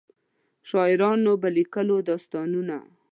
شاعرانو به لیکلو داستانونه.